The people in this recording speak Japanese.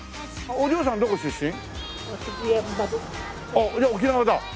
あっじゃあ沖縄だ。